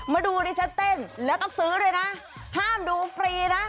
มาดูดิฉันเต้นแล้วต้องซื้อด้วยนะห้ามดูฟรีนะ